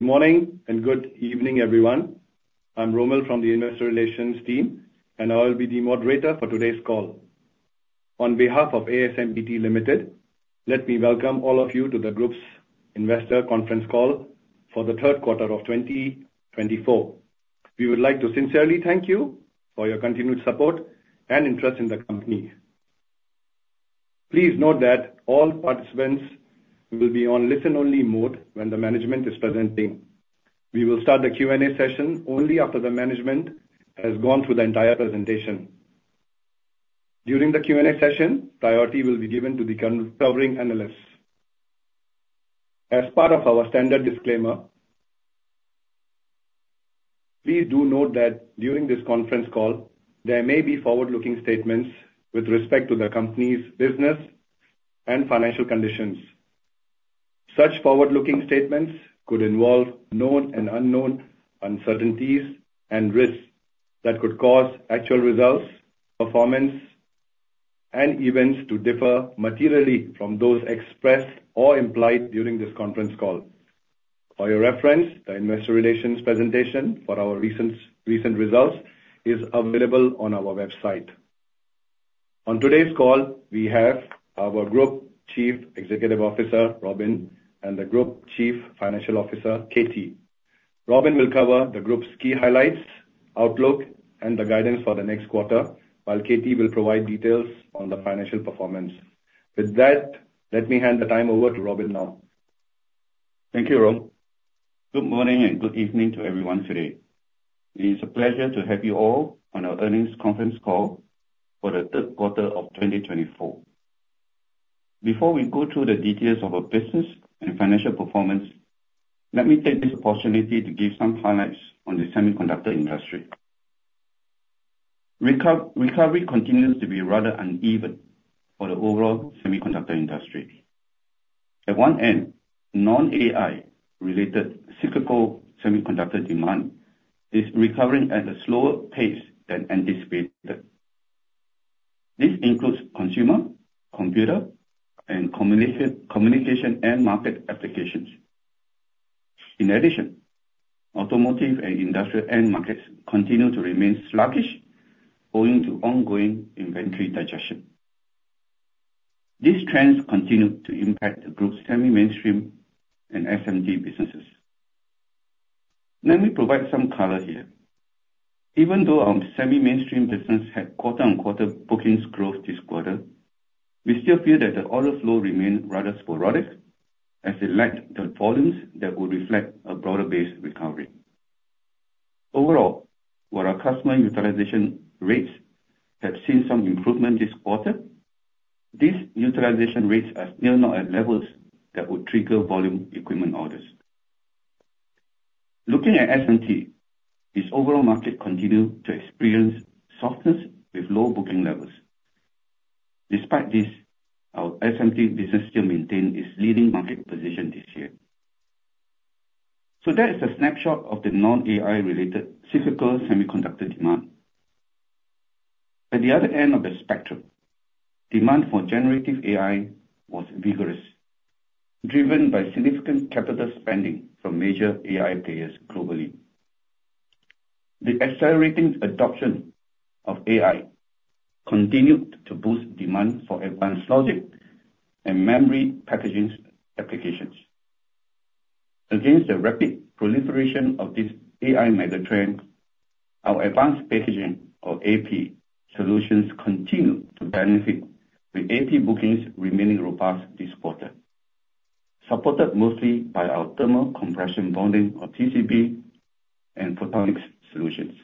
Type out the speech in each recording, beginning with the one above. Good morning and good evening, everyone. I'm Romil from the Investor Relations team, and I'll be the moderator for today's call. On behalf of ASMPT Limited, let me welcome all of you to the Group's Investor Conference call for the third quarter of 2024. We would like to sincerely thank you for your continued support and interest in the company. Please note that all participants will be on listen-only mode when the management is presenting. We will start the Q&A session only after the management has gone through the entire presentation. During the Q&A session, priority will be given to the covering analysts. As part of our standard disclaimer, please do note that during this conference call, there may be forward-looking statements with respect to the company's business and financial conditions. Such forward-looking statements could involve known and unknown uncertainties and risks that could cause actual results, performance, and events to differ materially from those expressed or implied during this conference call. For your reference, the Investor Relations presentation for our recent results is available on our website. On today's call, we have our Group Chief Executive Officer, Robin, and the Group Chief Financial Officer, Katie. Robin will cover the Group's key highlights, outlook, and the guidance for the next quarter, while Katie will provide details on the financial performance. With that, let me hand the time over to Robin now. Thank you, Rom. Good morning and good evening to everyone today. It is a pleasure to have you all on our earnings conference call for the third quarter of 2024. Before we go through the details of our business and financial performance, let me take this opportunity to give some highlights on the semiconductor industry. Recovery continues to be rather uneven for the overall semiconductor industry. At one end, non-AI-related cyclical semiconductor demand is recovering at a slower pace than anticipated. This includes consumer, computer, and communication end market applications. In addition, automotive and industrial end markets continue to remain sluggish owing to ongoing inventory digestion. These trends continue to impact the Group's semi-mainstream and SMT businesses. Let me provide some color here. Even though our semi-mainstream business had quarter-on-quarter bookings growth this quarter, we still feel that the order flow remained rather sporadic as it lacked the volumes that would reflect a broader-based recovery. Overall, while our customer utilization rates have seen some improvement this quarter, these utilization rates are still not at levels that would trigger volume equipment orders. Looking at SMT, its overall market continues to experience softness with low booking levels. Despite this, our SMT business still maintains its leading market position this year. So that is a snapshot of the non-AI-related cyclical semiconductor demand. At the other end of the spectrum, demand for generative AI was vigorous, driven by significant capital spending from major AI players globally. The accelerating adoption of AI continued to boost demand for advanced logic and memory packaging applications. Against the rapid proliferation of this AI megatrend, our advanced packaging, or AP, solutions continue to benefit, with AP bookings remaining robust this quarter, supported mostly by our thermo-compression bonding, or TCB, and photonics solutions.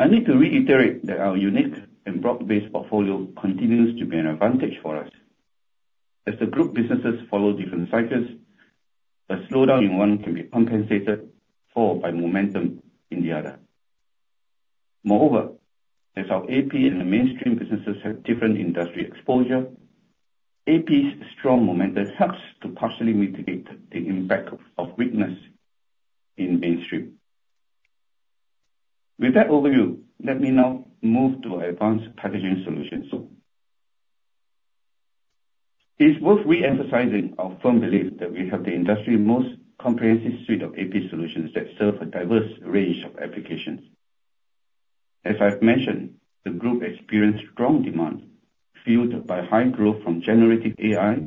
I need to reiterate that our unique and broad-based portfolio continues to be an advantage for us. As the Group businesses follow different cycles, a slowdown in one can be compensated for by momentum in the other. Moreover, as our AP and the mainstream businesses have different industry exposure, AP's strong momentum helps to partially mitigate the impact of weakness in mainstream. With that overview, let me now move to our advanced packaging solutions. It is worth reemphasizing our firm belief that we have the industry's most comprehensive suite of AP solutions that serve a diverse range of applications. As I've mentioned, the Group experienced strong demand fueled by high growth from generative AI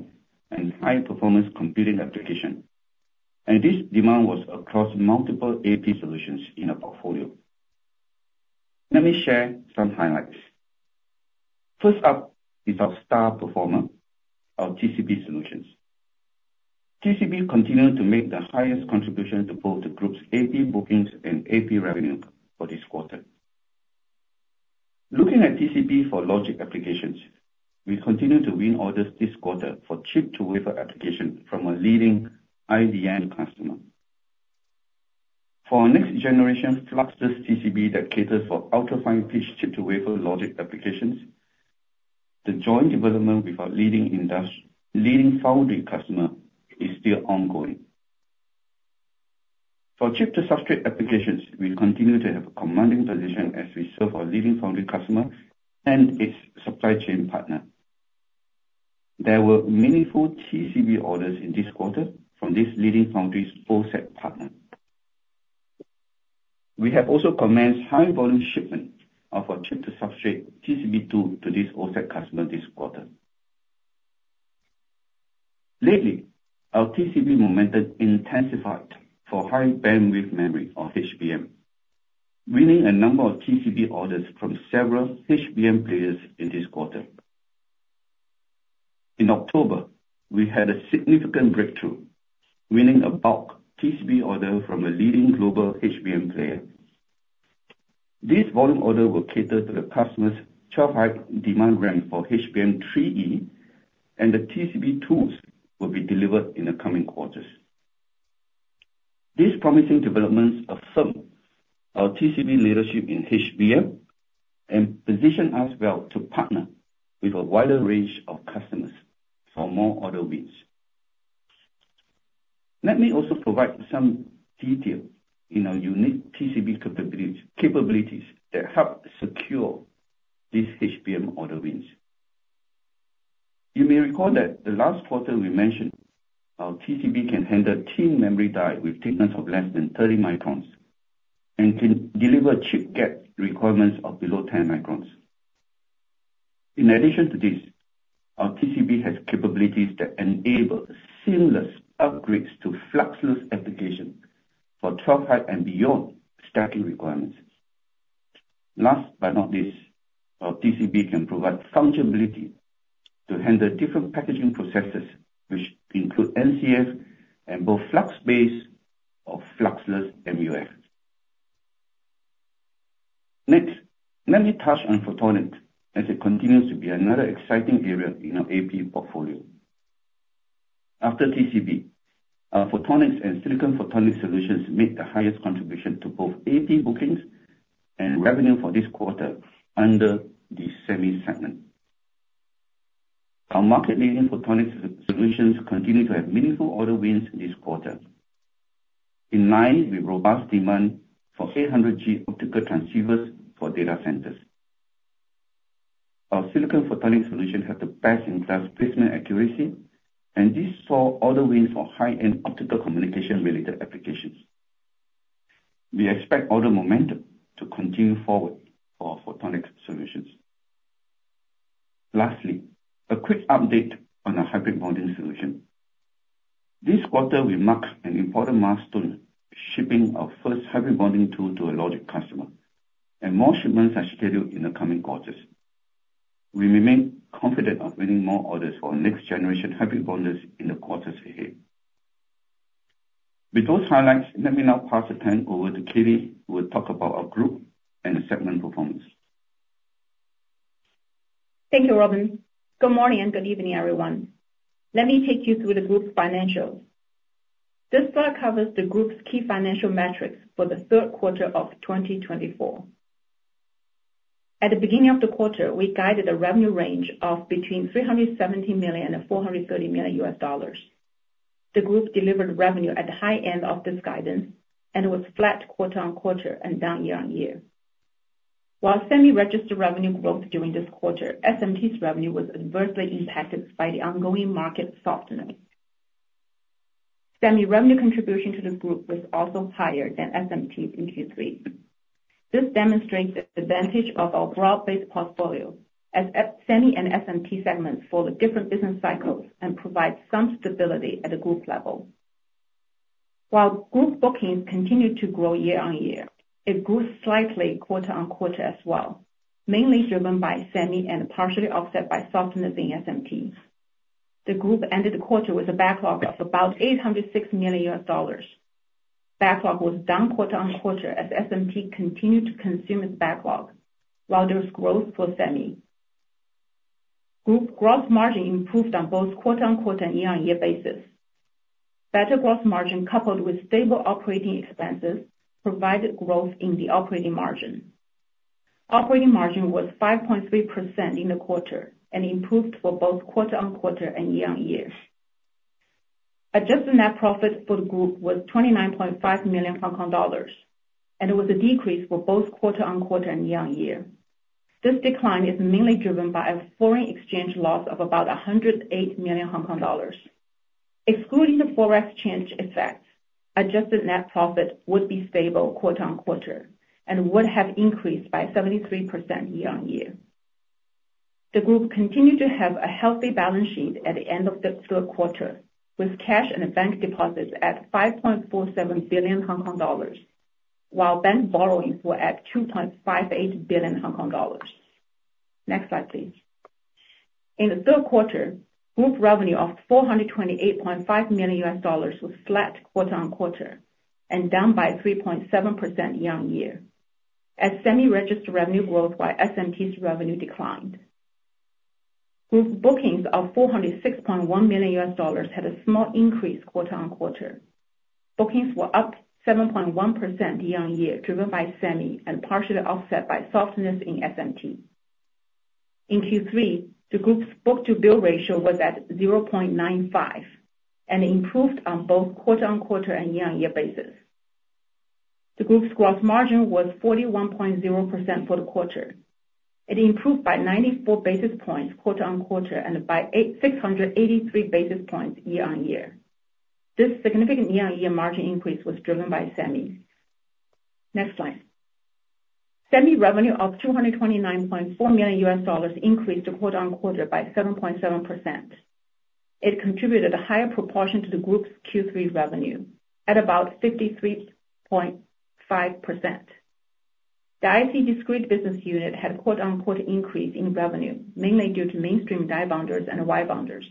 and high-performance computing applications, and this demand was across multiple AP solutions in our portfolio. Let me share some highlights. First up is our star performer, our TCB solutions. TCB continued to make the highest contribution to both the Group's AP bookings and AP revenue for this quarter. Looking at TCB for logic applications, we continue to win orders this quarter for chip-to-wafer applications from a leading IDM customer. For our next-generation fluxless TCB that caters for ultra-fine-pitch chip-to-wafer logic applications, the joint development with our leading foundry customer is still ongoing. For chip-to-substrate applications, we continue to have a commanding position as we serve our leading foundry customer and its supply chain partner. There were meaningful TCB orders in this quarter from this leading foundry's SolC partner. We have also commenced high-volume shipment of our chip-to-substrate TCB2 to this SolC customer this quarter. Lately, our TCB momentum intensified for high-bandwidth memory, or HBM, winning a number of TCB orders from several HBM players in this quarter. In October, we had a significant breakthrough, winning a bulk TCB order from a leading global HBM player. These volume orders will cater to the customer's 12-high demand range for HBM3E, and the TCB2s will be delivered in the coming quarters. These promising developments affirm our TCB leadership in HBM and position us well to partner with a wider range of customers for more order wins. Let me also provide some detail in our unique TCB capabilities that help secure these HBM order wins. You may recall that the last quarter we mentioned, our TCB can handle a thin memory die with thickness of less than 30 microns and can deliver chip gap requirements of below 10 microns. In addition to this, our TCB has capabilities that enable seamless upgrades to fluxless applications for 12-high and beyond stacking requirements. Last but not least, our TCB can provide functionality to handle different packaging processes, which include NCF and both flux-based or fluxless MUF. Next, let me touch on photonics as it continues to be another exciting area in our AP portfolio. After TCB, our photonics and silicon photonics solutions made the highest contribution to both AP bookings and revenue for this quarter under the semi segment. Our market-leading photonics solutions continue to have meaningful order wins this quarter, in line with robust demand for 800G optical transceivers for data centers. Our silicon photonics solution has the best-in-class placement accuracy, and this has seen order wins for high-end optical communication-related applications. We expect order momentum to continue forward for our photonics solutions. Lastly, a quick update on our hybrid bonding solution. This quarter, we marked an important milestone shipping our first hybrid bonding tool to a logic customer, and more shipments are scheduled in the coming quarters. We remain confident of winning more orders for next-generation hybrid bonders in the quarters ahead. With those highlights, let me now turn it over to Katie, who will talk about our Group and the segment performance. Thank you, Robin. Good morning and good evening, everyone. Let me take you through the Group's financials. This slide covers the Group's key financial metrics for the third quarter of 2024. At the beginning of the quarter, we guided a revenue range of between $370 million and $430 million USD. The Group delivered revenue at the high end of this guidance and was flat quarter on quarter and down year on year. While Semi registered revenue growth during this quarter, SMT's revenue was adversely impacted by the ongoing market softness. Semi revenue contribution to the Group was also higher than SMT's in Q3. This demonstrates the advantage of our broad-based portfolio as semi and SMT segments follow different business cycles and provide some stability at the Group level. While Group bookings continued to grow year on year, it grew slightly quarter on quarter as well, mainly driven by semi and partially offset by softness in SMT. The Group ended the quarter with a backlog of about $806 million. Backlog was down quarter on quarter as SMT continued to consume its backlog while there was growth for semi. Group gross margin improved on both quarter on quarter and year-on-year basis. Better gross margin coupled with stable operating expenses provided growth in the operating margin. Operating margin was 5.3% in the quarter and improved for both quarter on quarter and year-on-year. Adjusted net profit for the Group was 29.5 million Hong Kong dollars, and it was a decrease for both quarter on quarter and year-on-year. This decline is mainly driven by a foreign exchange loss of about 108 million Hong Kong dollars. Excluding the forex change effects, adjusted net profit would be stable quarter on quarter and would have increased by 73% year-on-year. The Group continued to have a healthy balance sheet at the end of the third quarter, with cash and bank deposits at 5.47 billion Hong Kong dollars, while bank borrowings were at 2.58 billion Hong Kong dollars. Next slide, please. In the third quarter, Group revenue of HKD 428.5 million was flat quarter on quarter and down by 3.7% year-on-year, as semi registered revenue growth while SMT's revenue declined. Group bookings of HKD 406.1 million had a small increase quarter on quarter. Bookings were up 7.1% year-on-year, driven by semi and partially offset by softness in SMT. In Q3, the Group's book-to-bill ratio was at 0.95 and improved on both quarter on quarter and year-on-year basis. The Group's gross margin was 41.0% for the quarter. It improved by 94 basis points quarter on quarter and by 683 basis points year-on-year. This significant year-on-year margin increase was driven by Semi. Next slide. Semi revenue of HKD 229.4 million USD increased quarter on quarter by 7.7%. It contributed a higher proportion to the Group's Q3 revenue at about 53.5%. The IC discrete business unit had a quarter on quarter increase in revenue, mainly due to mainstream die bonders and wire bonders.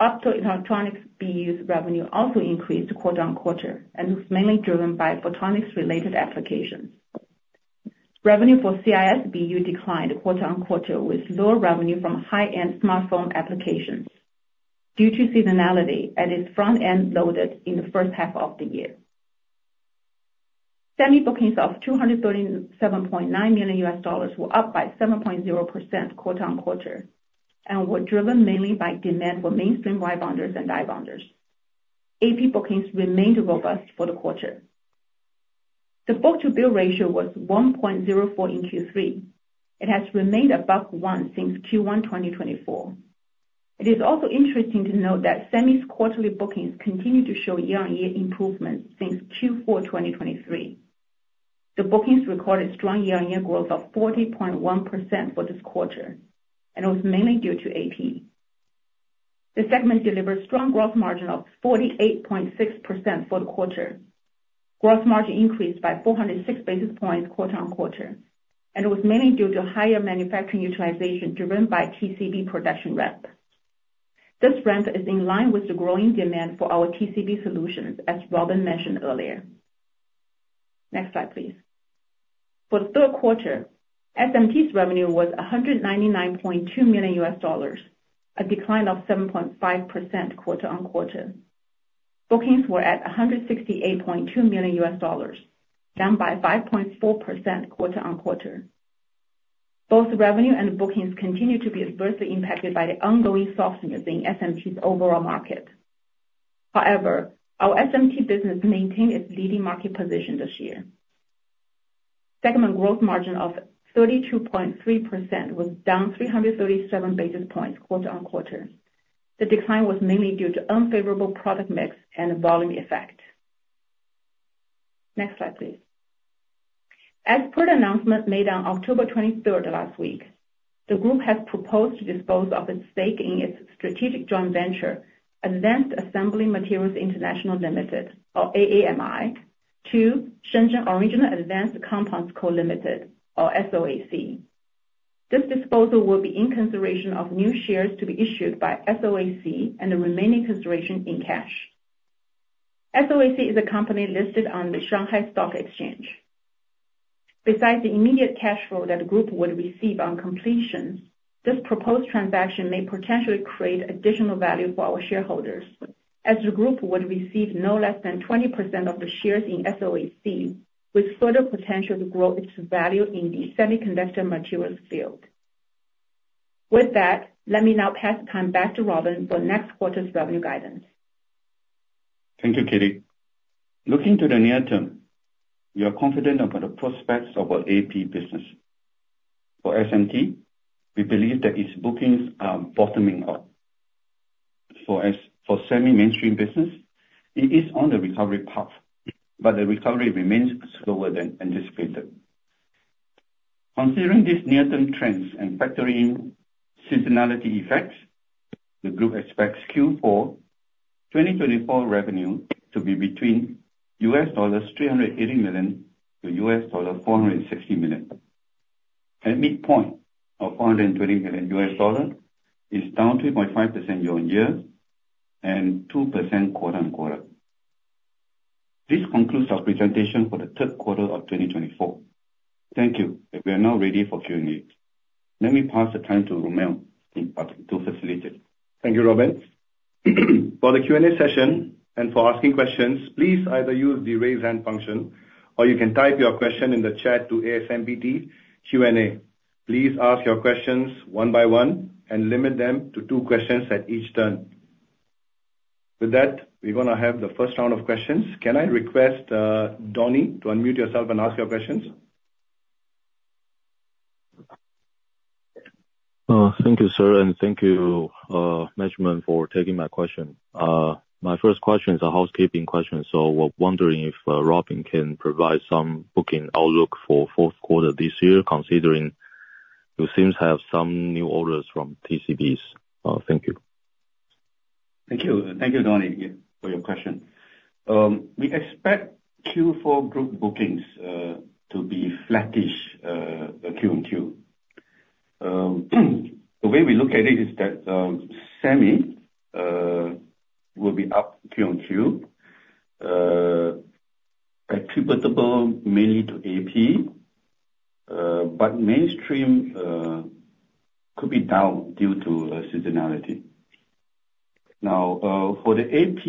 Opticalelectronics BU's revenue also increased quarter on quarter, and it was mainly driven by photonics-related applications. Revenue for CIS BU declined quarter on quarter, with lower revenue from high-end smartphone applications due to seasonality at its front-end loaded in the first half of the year. Semi bookings of HKD 237.9 million USD were up by 7.0% quarter on quarter and were driven mainly by demand for mainstream wire bonders and die bonders. AP bookings remained robust for the quarter. The book-to-bill ratio was 1.04 in Q3. It has remained above 1 since Q1 2024. It is also interesting to note that Semi's quarterly bookings continue to show year-on-year improvements since Q4 2023. The bookings recorded strong year-on-year growth of 40.1% for this quarter, and it was mainly due to AP. The segment delivered strong gross margin of 48.6% for the quarter. Gross margin increased by 406 basis points quarter on quarter, and it was mainly due to higher manufacturing utilization driven by TCB production ramp. This ramp is in line with the growing demand for our TCB solutions, as Robin mentioned earlier. Next slide, please. For the third quarter, SMT's revenue was HKD 199.2 million USD, a decline of 7.5% quarter on quarter. Bookings were at HKD 168.2 million USD, down by 5.4% quarter on quarter. Both revenue and bookings continue to be adversely impacted by the ongoing softness in SMT's overall market. However, our SMT business maintained its leading market position this year. Segment growth margin of 32.3% was down 337 basis points quarter on quarter. The decline was mainly due to unfavorable product mix and volume effect. Next slide, please. As per the announcement made on October 23 last week, the Group has proposed to dispose of its stake in its strategic joint venture, Advanced Assembly Materials International Limited, or AAMI, to Shenzhen Original Advanced Compounds Co., Ltd., or SOAC. This disposal will be in consideration of new shares to be issued by SOAC and the remaining consideration in cash. SOAC is a company listed on the Shanghai Stock Exchange. Besides the immediate cash flow that the Group would receive on completion, this proposed transaction may potentially create additional value for our shareholders, as the Group would receive no less than 20% of the shares in SOAC, with further potential to grow its value in the semiconductor materials field. With that, let me now pass the time back to Robin for next quarter's revenue guidance. Thank you, Katie. Looking to the near term, we are confident about the prospects of our AP business. For SMT, we believe that its bookings are bottoming out. For semi-mainstream business, it is on the recovery path, but the recovery remains slower than anticipated. Considering these near-term trends and factoring in seasonality effects, the Group expects Q4 2024 revenue to be between $380 million to $460 million. At midpoint, our $420 million USD is down 3.5% year-on-year and 2% quarter on quarter. This concludes our presentation for the third quarter of 2024. Thank you, and we are now ready for Q&A. Let me pass the time to Romil to facilitate. Thank you, Robin. For the Q&A session and for asking questions, please either use the raise hand function, or you can type your question in the chat to ASMPT Q&A. Please ask your questions one by one and limit them to two questions at each turn. With that, we're going to have the first round of questions. Can I request Donnie to unmute yourself and ask your questions? Thank you, sir, and thank you, Management, for taking my question. My first question is a housekeeping question. So we're wondering if Robin can provide some booking outlook for the fourth quarter this year, considering we seem to have some new orders from TCBs. Thank you. Thank you. Thank you, Donnie, for your question. We expect Q4 Group bookings to be flattish Q on Q. The way we look at it is that semi will be up Q on Q, attributable mainly to AP, but mainstream could be down due to seasonality. Now, for the AP,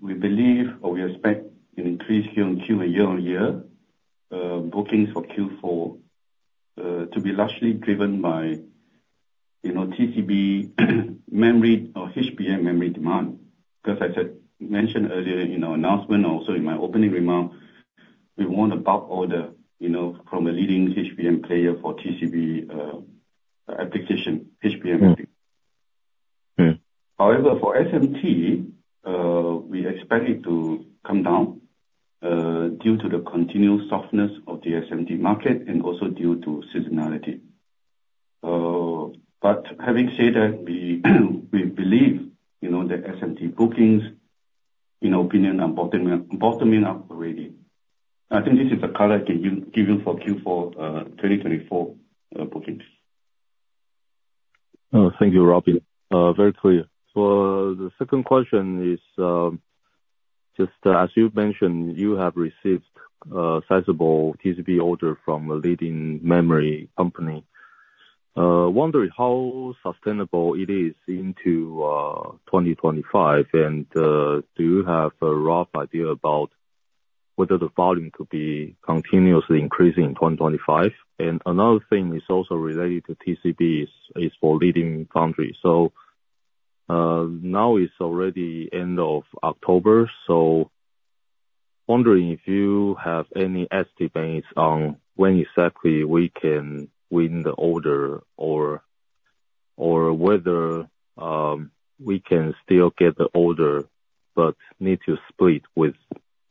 we believe or we expect an increase Q on Q and year-on-year bookings for Q4 to be largely driven by TCB memory or HBM memory demand. As I mentioned earlier in our announcement, also in my opening remarks, we won a bulk order from a leading HBM player for TCB application, HBM memory. However, for SMT, we expect it to come down due to the continued softness of the SMT market and also due to seasonality. But having said that, we believe that SMT bookings, in our opinion, are bottoming out already. I think this is the color I can give you for Q4 2024 bookings. Thank you, Robin. Very clear. So the second question is just, as you mentioned, you have received sizable TCB orders from a leading memory company. Wondering how sustainable it is into 2025, and do you have a rough idea about whether the volume could be continuously increasing in 2025? And another thing is also related to TCBs is for leading foundries. So now it's already the end of October, so wondering if you have any estimates on when exactly we can win the order or whether we can still get the order but need to split with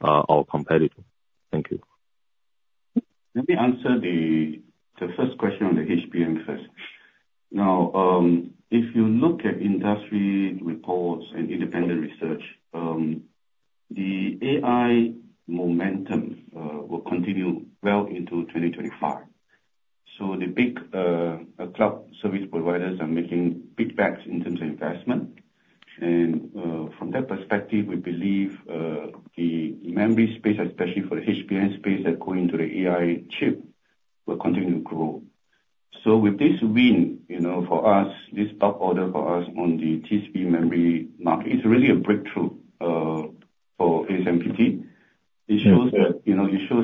our competitor. Thank you. Let me answer the first question on the HBM first. Now, if you look at industry reports and independent research, the AI momentum will continue well into 2025. So the big cloud service providers are making big bets in terms of investment. And from that perspective, we believe the memory space, especially for the HBM space that go into the AI chip, will continue to grow. So with this win for us, this bulk order for us on the TCB memory market, it's really a breakthrough for ASMPT. It shows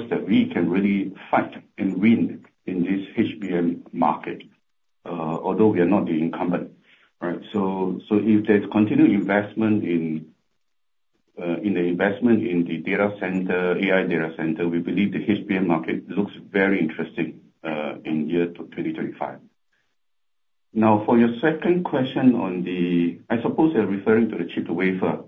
that we can really fight and win in this HBM market, although we are not the incumbent. So if there's continued investment in the data center, AI data center, we believe the HBM market looks very interesting in the year 2025. Now, for your second question on the, I suppose you're referring to the chip-to-wafer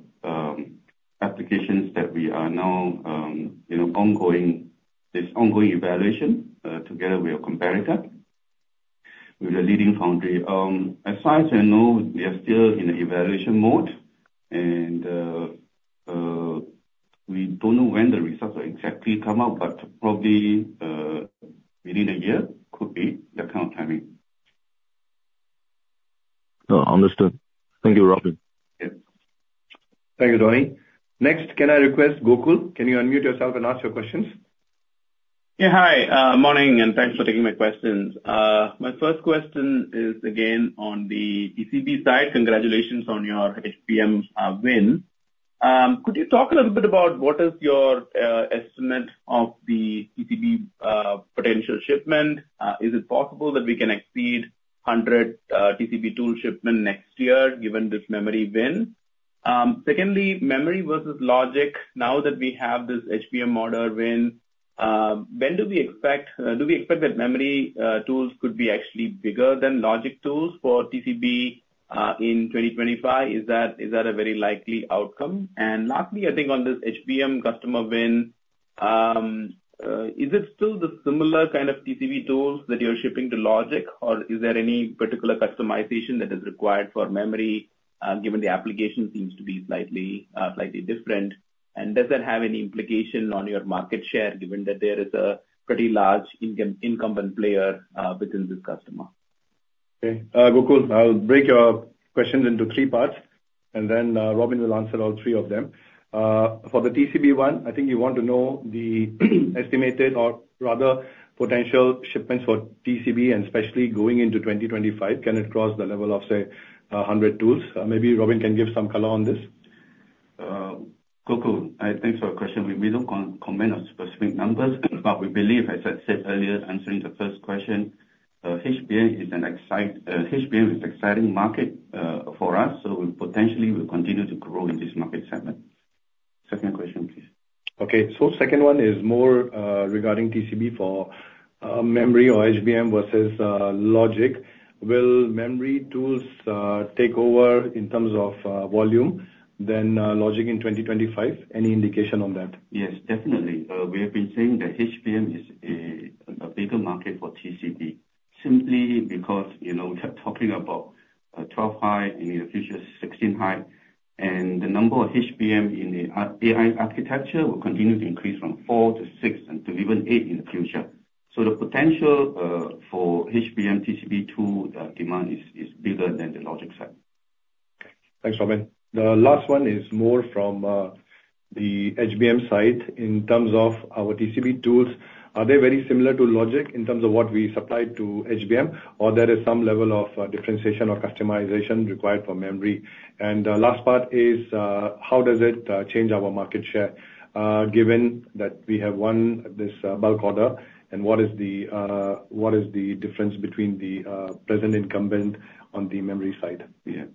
applications that we are now ongoing this evaluation together with our competitor, with the leading foundry. As far as I know, they are still in the evaluation mode, and we don't know when the results will exactly come out, but probably within a year could be the account timing. Understood. Thank you, Robin. Thank you, Donnie. Next, can I request Gokul? Can you unmute yourself and ask your questions? Yeah, hi. Morning, and thanks for taking my questions. My first question is again on the AP side. Congratulations on your HBM win. Could you talk a little bit about what is your estimate of the AP potential shipment? Is it possible that we can exceed 100 TCB tool shipments next year given this memory win? Secondly, memory versus logic, now that we have this HBM order win, when do we expect that memory tools could be actually bigger than logic tools for TCB in 2025? Is that a very likely outcome? And lastly, I think on this HBM customer win, is it still the similar kind of TCB tools that you're shipping to logic, or is there any particular customization that is required for memory given the application seems to be slightly different? Does that have any implication on your market share given that there is a pretty large incumbent player within this customer? Okay. Gokul, I'll break your questions into three parts, and then Robin will answer all three of them. For the TCB one, I think you want to know the estimated or rather potential shipments for TCB, and especially going into 2025, can it cross the level of, say, 100 tools? Maybe Robin can give some color on this. Gokul, thanks for your question. We don't comment on specific numbers, but we believe, as I said earlier, answering the first question, HBM is an exciting market for us, so potentially we'll continue to grow in this market segment. Second question, please. Okay. So second one is more regarding TCB for memory or HBM versus logic. Will memory tools take over in terms of volume than logic in 2025? Any indication on that? Yes, definitely. We have been saying that HBM is a bigger market for TCB simply because we are talking about 12 high in the future, 16 high, and the number of HBM in the AI architecture will continue to increase from four to six and to even eight in the future. So the potential for HBM TCB tool demand is bigger than the logic side. Thanks, Robin. The last one is more from the HBM side in terms of our TCB tools. Are they very similar to logic in terms of what we supply to HBM, or there is some level of differentiation or customization required for memory? And the last part is how does it change our market share given that we have won this bulk order, and what is the difference between the present incumbent on the memory side? Yeah.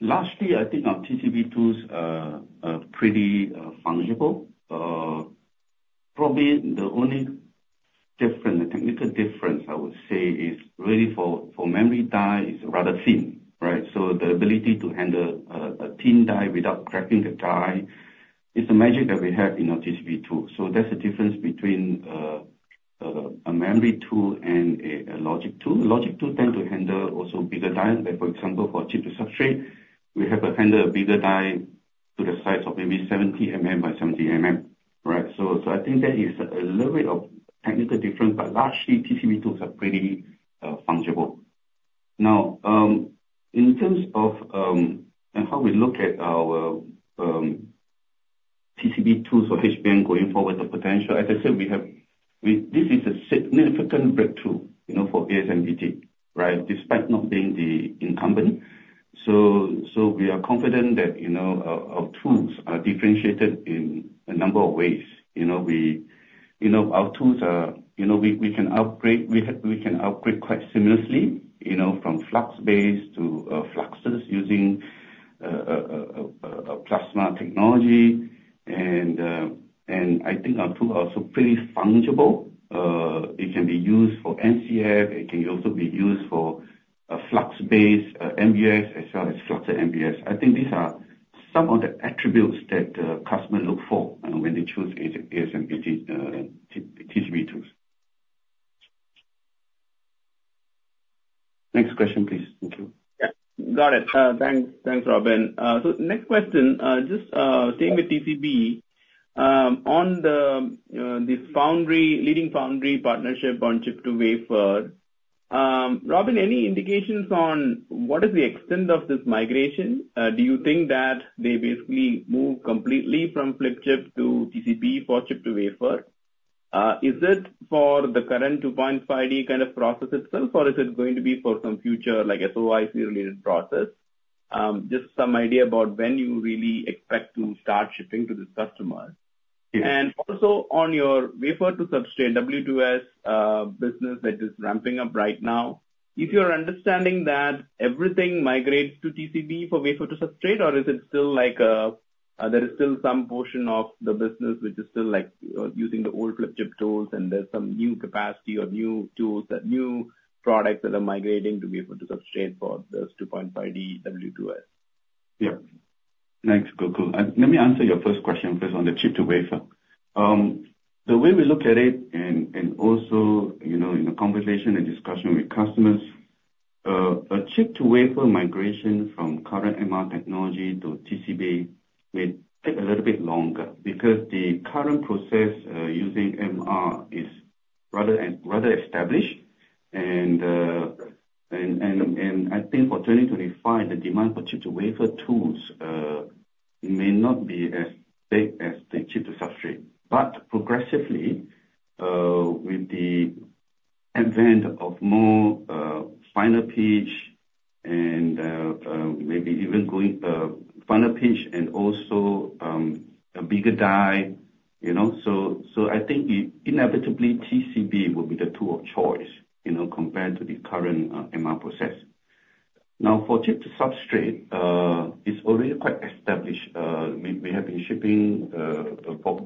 Lastly, I think our TCB tools are pretty fungible. Probably the only difference, the technical difference, I would say, is really for memory die is rather thin, right? So the ability to handle a thin die without cracking the die is the magic that we have in our TCB tool. So that's the difference between a memory tool and a logic tool. Logic tool tends to handle also bigger die. For example, for chip to substrate, we have to handle a bigger die to the size of maybe 70 by 70 right? So I think that is a little bit of technical difference, but largely TCB tools are pretty fungible. Now, in terms of how we look at our TCB tools for HBM going forward, the potential, as I said, this is a significant breakthrough for ASMPT, right, despite not being the incumbent. So we are confident that our tools are differentiated in a number of ways. Our tools, we can upgrade quite seamlessly from flux-based to fluxless using plasma technology. And I think our tools are also pretty fungible. It can be used for NCF. It can also be used for flux-based MUF as well as flux MUF. I think these are some of the attributes that customers look for when they choose ASMPT TCB tools. Next question, please. Thank you. Yeah. Got it. Thanks, Robin. So next question, just staying with TCB, on the foundry, leading foundry partnership on chip to wafer, Robin, any indications on what is the extent of this migration? Do you think that they basically move completely from Flip Chip to TCB for chip to wafer? Is it for the current 2.5D kind of process itself, or is it going to be for some future, like SOIC-related process? Just some idea about when you really expect to start shipping to this customer. Also, on your wafer to substrate W2S business that is ramping up right now, is your understanding that everything migrates to TCB for wafer to substrate, or is it still like there is still some portion of the business which is still using the old Flip Chip tools, and there's some new capacity or new tools, new products that are migrating to wafer to substrate for this 2.5D W2S? Yeah. Thanks, Gokul. Let me answer your first question first on the chip to wafer. The way we look at it, and also in the conversation and discussion with customers, a chip to wafer migration from current MR technology to TCB may take a little bit longer because the current process using MR is rather established, and I think for 2025, the demand for chip to wafer tools may not be as big as the chip to substrate, but progressively, with the advent of more finer pitch and maybe even going finer pitch and also a bigger die, so I think inevitably TCB will be the tool of choice compared to the current MR process. Now, for chip to substrate, it's already quite established. We have been shipping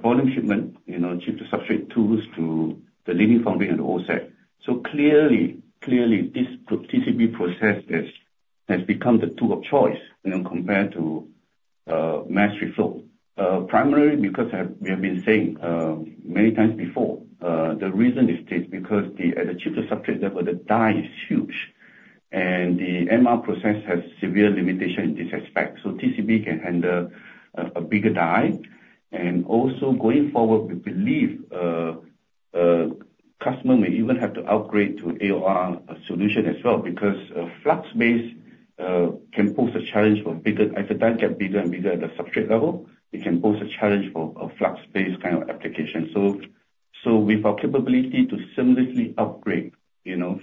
volume shipment, chip to substrate tools to the leading foundry and the whole set. So clearly, this TCB process has become the tool of choice compared to mass reflow, primarily because we have been saying many times before. The reason is because at the chip to substrate level, the die is huge, and the MR process has severe limitations in this aspect. So TCB can handle a bigger die. And also going forward, we believe customers may even have to upgrade to AOR solution as well because flux-based can pose a challenge for bigger as the die gets bigger and bigger at the substrate level. It can pose a challenge for a flux-based kind of application. So with our capability to seamlessly upgrade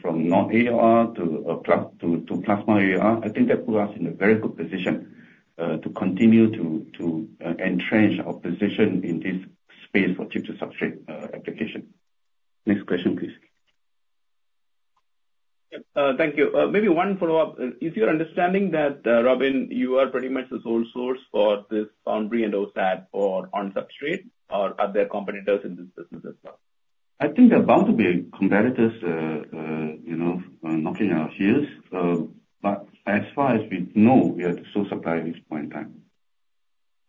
from non-AOR to plasma AOR, I think that puts us in a very good position to continue to entrench our position in this space for chip to substrate application. Next question, please. Thank you. Maybe one follow-up. Is your understanding that, Robin, you are pretty much the sole source for this foundry and OSAT for on-substrate, or are there competitors in this business as well? I think there are bound to be competitors knocking on our doors, but as far as we know, we are the sole supplier at this point in time.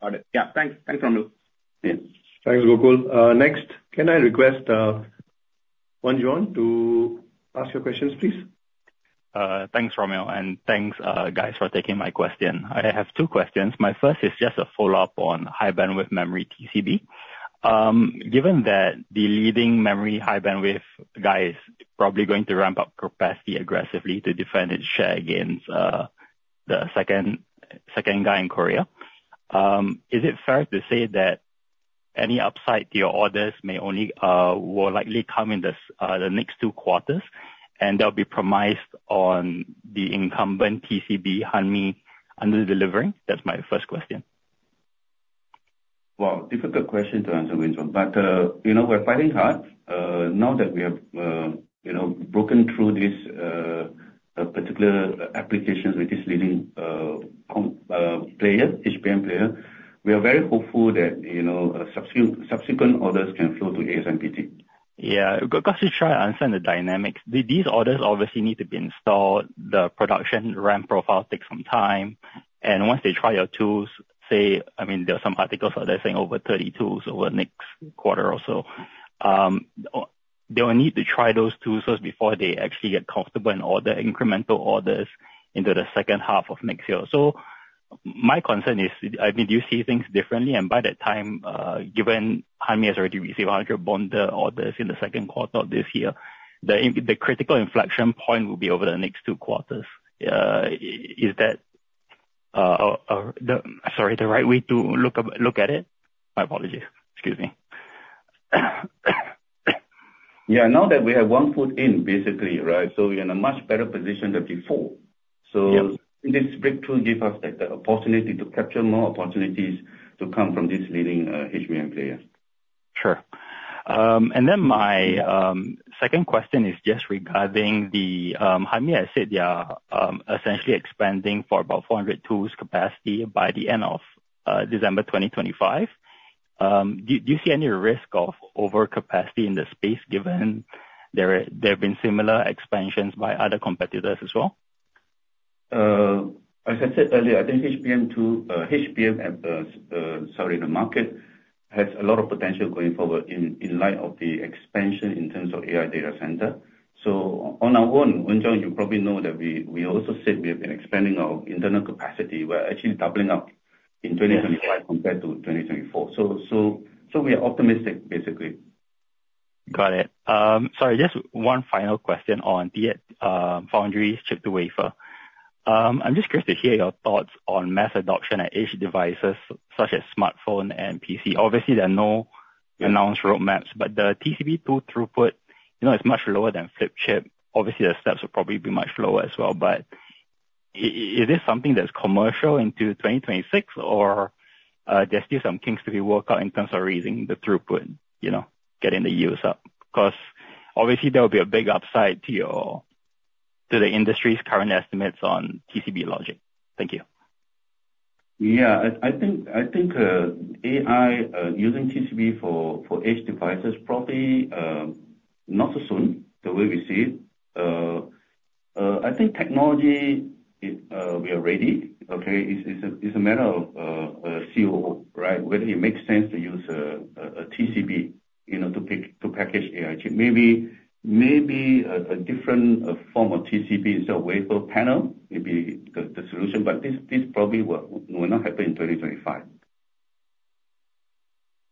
Got it. Yeah. Thanks. Thanks, Romil. Yeah. Thanks, Gokul. Next, can I request Wanjun to ask your questions, please? Thanks, Romil, and thanks, guys, for taking my question. I have two questions. My first is just a follow-up on high bandwidth memory TCB. Given that the leading memory high bandwidth guy is probably going to ramp up capacity aggressively to defend its share against the second guy in Korea, is it fair to say that any upside to your orders will likely come in the next two quarters, and they'll be premised on the incumbent TCB HBM under delivery? That's my first question. Difficult question to answer, Wanjun, but we're fighting hard. Now that we have broken through these particular applications with this leading player, HBM player, we are very hopeful that subsequent orders can flow to ASMPT. Yeah. Got to try and understand the dynamics. These orders obviously need to be installed. The production RAM profile takes some time. And once they try your tools, say, I mean, there are some articles out there saying over 30 tools over the next quarter or so. They will need to try those tools first before they actually get comfortable and order incremental orders into the second half of next year. So my concern is, I mean, do you see things differently? And by that time, given Hanmi has already received 100 bonder orders in the second quarter of this year, the critical inflection point will be over the next two quarters. Is that, sorry, the right way to look at it? My apologies. Excuse me. Yeah. Now that we have one foot in, basically, right, so we're in a much better position than before. So I think this breakthrough gives us the opportunity to capture more opportunities to come from this leading HBM player. Sure. And then my second question is just regarding the Hanmi I said they are essentially expanding for about 400 tools capacity by the end of December 2025. Do you see any risk of overcapacity in the space given there have been similar expansions by other competitors as well? As I said earlier, I think HBM, sorry, the market has a lot of potential going forward in light of the expansion in terms of AI data center. So on our own, Wanjun, you probably know that we also said we have been expanding our internal capacity. We're actually doubling up in 2025 compared to 2024. So we are optimistic, basically. Got it. Sorry, just one final question on foundry chip-to-wafer. I'm just curious to hear your thoughts on mass adoption at edge devices such as smartphone and PC. Obviously, there are no announced roadmaps, but the TCB tool throughput is much lower than Flip Chip. Obviously, the steps will probably be much lower as well. But is this something that's commercial into 2026, or there's still some kinks to be worked out in terms of raising the throughput, getting the yields up? Because obviously, there will be a big upside to the industry's current estimates on TCB logic. Thank you. Yeah. I think AI using TCB for edge devices probably not so soon the way we see it. I think technology will ready. Okay. It's a matter of CoO, right, whether it makes sense to use a TCB to package AI chip. Maybe a different form of TCB instead of wafer panel may be the solution, but this probably will not happen in 2025.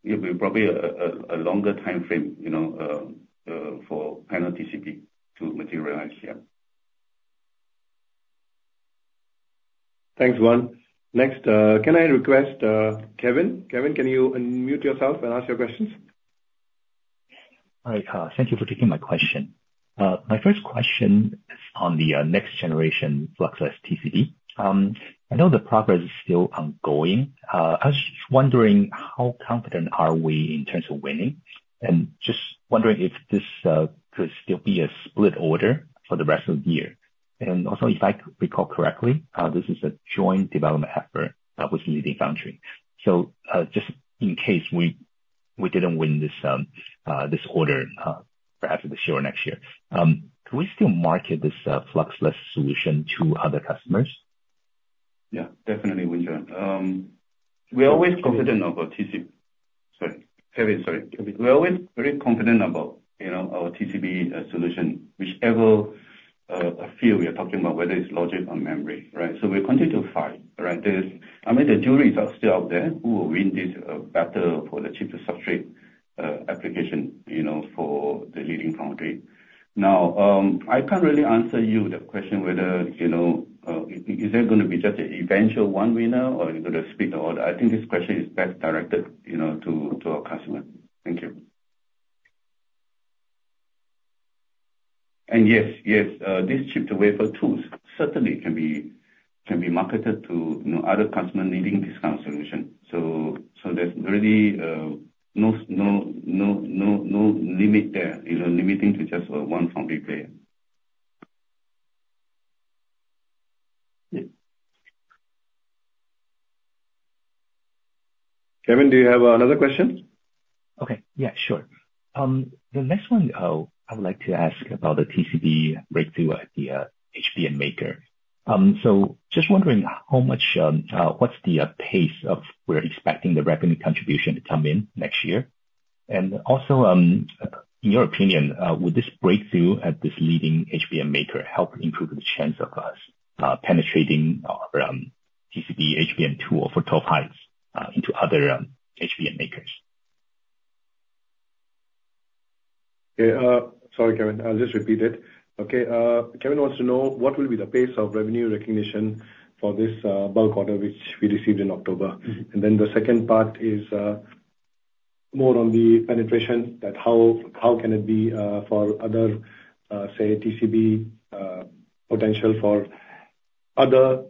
It will be probably a longer time frame for panel TCB to materialize. Yeah. Thanks, Juan. Next, can I request Kevin? Kevin, can you unmute yourself and ask your questions? Hi, thank you for taking my question. My first question is on the next generation flux-based TCB. I know the progress is still ongoing. I was just wondering how confident are we in terms of winning, and just wondering if this could still be a split order for the rest of the year? And also, if I recall correctly, this is a joint development effort with leading foundry. So just in case we didn't win this order, perhaps this year or next year, can we still market this flux-based solution to other customers? Yeah, definitely, Wanjun. We're always confident of our TCB. Sorry. Kevin, sorry. We're always very confident about our TCB solution, whichever field we are talking about, whether it's logic or memory, right? So we continue to fight, right? I mean, the jury is still out there who will win this battle for the chip to substrate application for the leading foundry. Now, I can't really answer you the question whether is there going to be just an eventual one winner or is it going to speak to order. I think this question is best directed to our customer. Thank you. And yes, yes, these chip to wafer tools certainly can be marketed to other customers needing this kind of solution. So there's really no limit there, limiting to just one foundry player. Kevin, do you have another question? Okay. Yeah, sure. The next one, I would like to ask about the TCB breakthrough at the HBM maker. So just wondering how much, what's the pace of we're expecting the revenue contribution to come in next year? And also, in your opinion, would this breakthrough at this leading HBM maker help improve the chance of us penetrating our TCB HBM tool for 12-high into other HBM makers? Okay. Sorry, Kevin. I'll just repeat it. Okay. Kevin wants to know what will be the pace of revenue recognition for this bulk order which we received in October. And then the second part is more on the penetration, that how can it be for other, say, TCB potential for other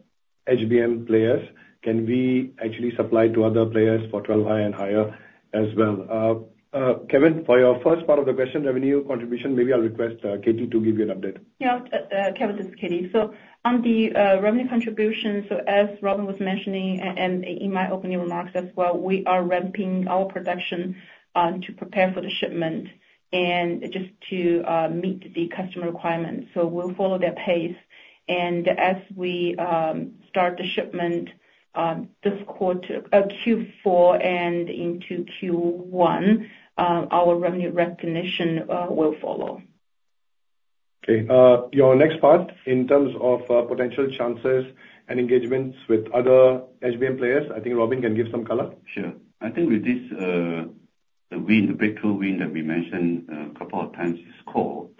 HBM players? Can we actually supply to other players for 12 high and higher as well? Kevin, for your first part of the question, revenue contribution, maybe I'll request Katie to give you an update. Yeah. Kevin, this is Katie. So on the revenue contribution, so as Robin was mentioning and in my opening remarks as well, we are ramping our production to prepare for the shipment and just to meet the customer requirements. So we'll follow that pace. And as we start the shipment this quarter, Q4 and into Q1, our revenue recognition will follow. Okay. Your next part in terms of potential chances and engagements with other HBM players, I think Robin can give some color. Sure. I think with this win, the breakthrough win that we mentioned a couple of times, so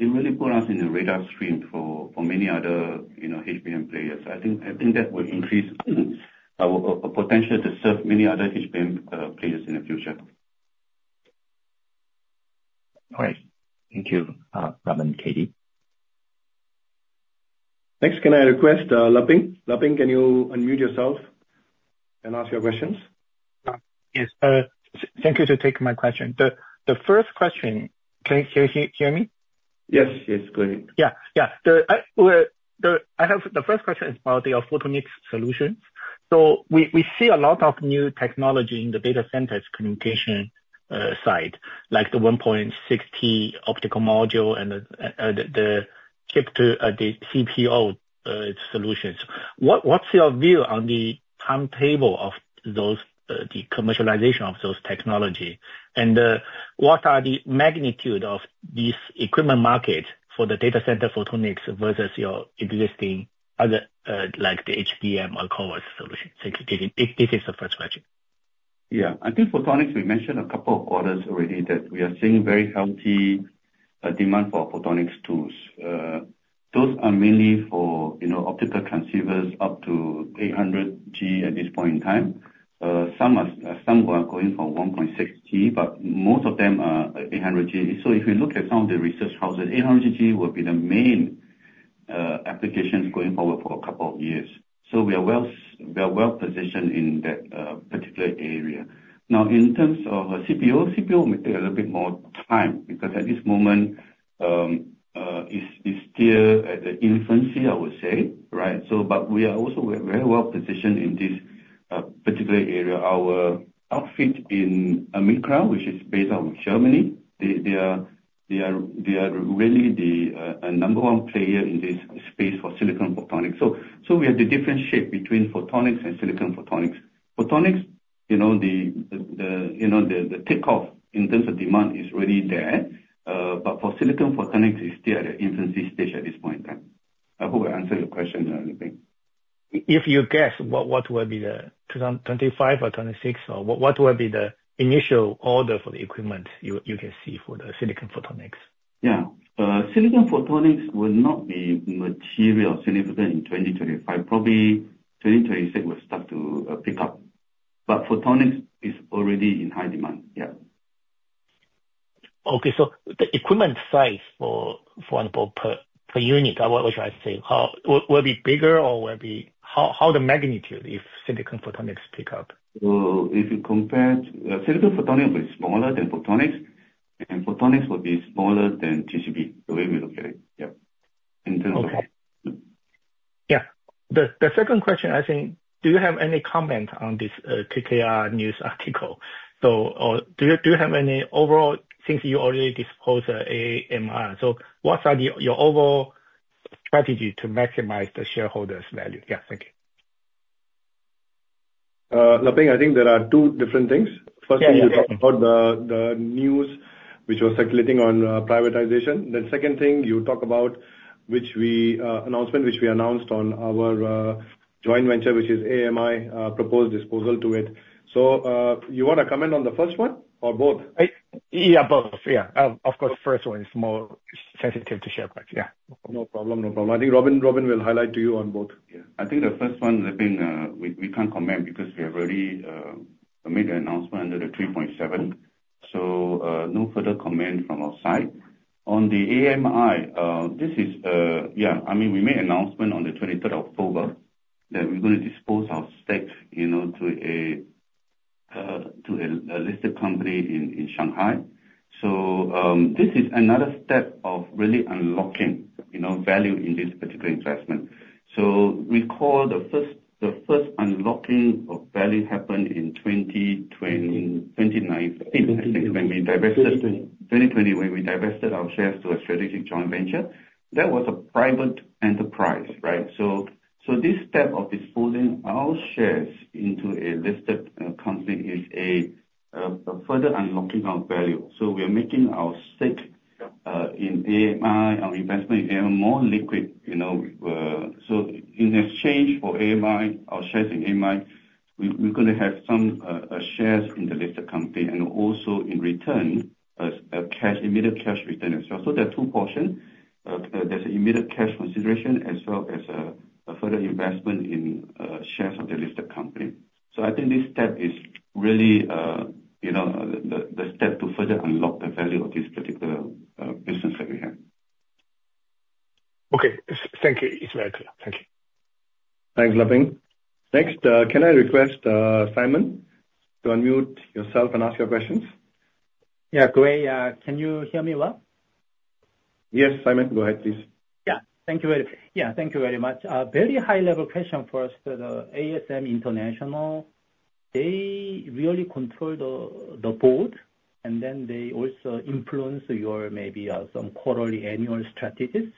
it really put us on the radar screen for many other HBM players. I think that will increase our potential to serve many other HBM players in the future. All right. Thank you, Robin and Katie. Thanks. Can I request Luping? Luping, can you unmute yourself and ask your questions? Yes. Thank you for taking my question. The first question, can you hear me? Yes. Yes. Go ahead. The first question is about the photonics solutions. So we see a lot of new technology in the data centers communication side, like the 1.6T optical module and the chip to the CPO solutions. What's your view on the timetable of the commercialization of those technologies? And what are the magnitude of this equipment market for the data center photonics versus your existing other, like the HBM or CoWoS solutions? This is the first question. Yeah. I think photonics, we mentioned a couple of orders already that we are seeing very healthy demand for photonics tools. Those are mainly for optical transceivers up to 800G at this point in time. Some are going for 1.6G, but most of them are 800G. So if you look at some of the research houses, 800G will be the main applications going forward for a couple of years. So we are well positioned in that particular area. Now, in terms of CPO, CPO may take a little bit more time because at this moment, it's still at the infancy, I would say, right? But we are also very well positioned in this particular area. Our outfit in AMICRA, which is based out of Germany, they are really the number one player in this space for silicon photonics. So we have to differentiate between photonics and silicon photonics. Photonics, the takeoff in terms of demand is really there, but for silicon photonics, it's still at the infancy stage at this point in time. I hope I answered your question, Luping. If you guess, what will be the 2025 or 2026, or what will be the initial order for the equipment you can see for the Silicon Photonics? Yeah. Silicon Photonics will not be material significant in 2025. Probably 2026 will start to pick up. But photonics is already in high demand. Yeah. Okay. So the equipment size for example per unit, what should I say? Will it be bigger or will it be how the magnitude if silicon photonics pick up? So if you compare silicon photonics, it's smaller than photonics, and photonics will be smaller than TCB, the way we look at it. Yeah. In terms of. Okay. Yeah. The second question, I think, do you have any comment on this KKR news article? So do you have any overall since you already disposed of AAMI, so what's your overall strategy to maximize the shareholders' value? Yeah. Thank you. Luping, I think there are two different things. First, you talked about the news which was circulating on privatization. The second thing you talked about, which we announced on our joint venture, which is AMI, proposed disposal to it. So you want to comment on the first one or both? Yeah, both. Yeah. Of course, the first one is more sensitive to share price. Yeah. No problem. No problem. I think Robin will highlight to you on both. Yeah. I think the first one, Luping, we can't comment because we have already made the announcement under the 3.7. So no further comment from our side. On the AAMI, this is, yeah, I mean, we made an announcement on the 23rd of October that we're going to dispose our stake to a listed company in Shanghai. So this is another step of really unlocking value in this particular investment. We call the first unlocking of value happened in 2029, I think, when we divested 2020, when we divested our shares to a strategic joint venture. That was a private enterprise, right? So this step of disposing our shares into a listed company is a further unlocking of value. So we are making our stake in AAMI, our investment in AAMI more liquid. So in exchange for AMI, our shares in AMI, we're going to have some shares in the listed company and also in return a cash, immediate cash return as well. So there are two portions. There's an immediate cash consideration as well as a further investment in shares of the listed company. So I think this step is really the step to further unlock the value of this particular business that we have. Okay. Thank you. It's very clear. Thank you. Thanks, Luping. Next, can I request Simon to unmute yourself and ask your questions? Yeah. Great. Can you hear me well? Yes, Simon. Go ahead, please. Yeah. Thank you very much. Very high-level question for us. The ASM International, they really control the board, and then they also influence your maybe some quarterly annual strategies?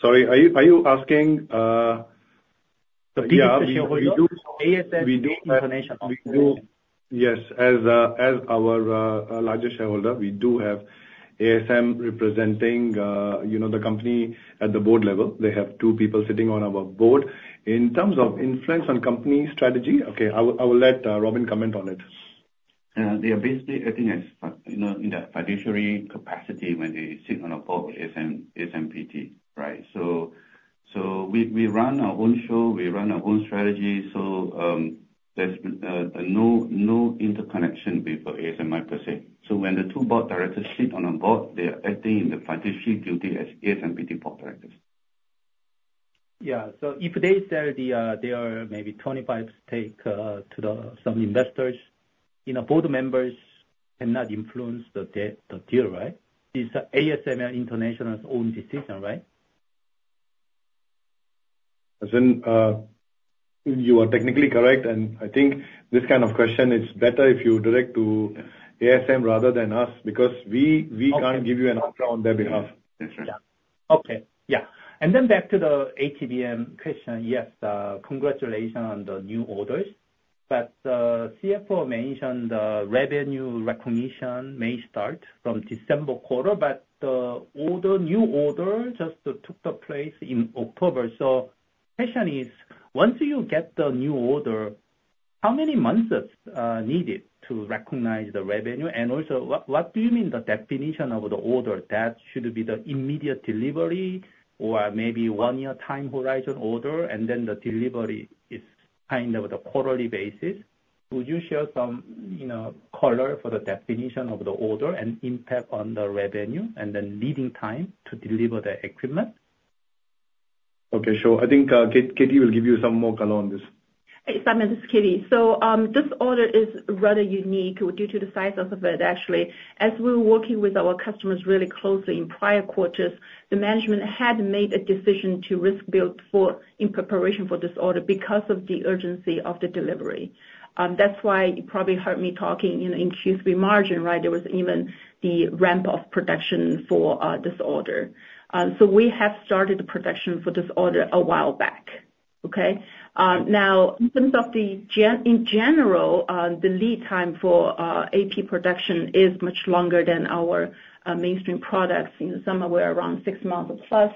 Sorry. Are you asking the ASM International? Yes. As our largest shareholder, we do have ASM representing the company at the board level. They have two people sitting on our board. In terms of influence on company strategy, okay, I will let Robin comment on it. Yeah. They are basically, I think, in the fiduciary capacity when they sit on a board, ASMI, ASMPT, right? So we run our own show. We run our own strategy. So there's no interconnection with ASMI per se. So when the two board directors sit on a board, they are acting in the fiduciary duty as ASMPT board directors. Yeah. So if they say they are maybe 25% stake to some investors, board members cannot influence the deal, right? It's ASM International's own decision, right? As in, you are technically correct. And I think this kind of question, it's better if you direct to ASM rather than us because we can't give you an answer on their behalf. That's right. Yeah. Okay. Yeah. And then back to the ATBM question. Yes, congratulations on the new orders. But CFO mentioned revenue recognition may start from December quarter, but the new order just took place in October. So the question is, once you get the new order, how many months is needed to recognize the revenue? And also, what do you mean the definition of the order? That should be the immediate delivery or maybe one-year time horizon order, and then the delivery is kind of the quarterly basis? Would you share some color for the definition of the order and impact on the revenue and then lead time to deliver the equipment? Okay. Sure. I think Katie will give you some more color on this. Hey, Simon. This is Katie. So this order is rather unique due to the size of it, actually. As we were working with our customers really closely in prior quarters, the management had made a decision to risk build in preparation for this order because of the urgency of the delivery. That's why you probably heard me talking in Q3 margin, right? There was even the ramp of production for this order. So we have started the production for this order a while back. Okay? Now, in terms of in general, the lead time for AP production is much longer than our mainstream products. In summary, we're around six months or plus.